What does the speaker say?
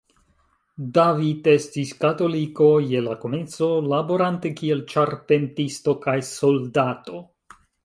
David estis katoliko je la komenco, laborante kiel ĉarpentisto kaj soldato.